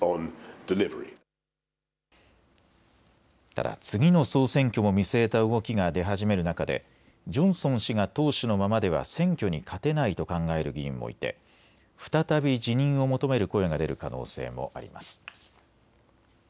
ただ次の総選挙も見据えた動きが出始める中でジョンソン氏が党首のままでは選挙に勝てないと考える議員もいて再び辞任を求める声が出る可能性もあります。